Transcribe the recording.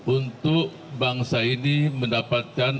untuk bangsa ini mendapatkan